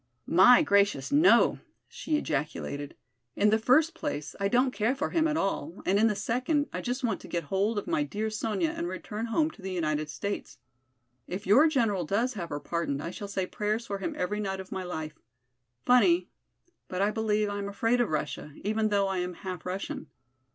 "My gracious, no!" she ejaculated. "In the first place, I don't care for him at all, and in the second, I just want to get hold of my dear Sonya and return home to the United States. If your general does have her pardoned I shall say prayers for him every night of my life. Funny, but I believe I am afraid of Russia, even though I am half Russian.